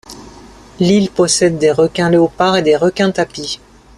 L'île possède des requin léopard et des requin-tapis.